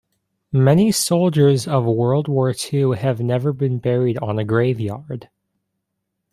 Many soldiers of world war two have never been buried on a grave yard.